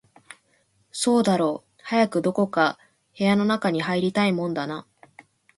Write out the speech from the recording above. そうだろう、早くどこか室の中に入りたいもんだな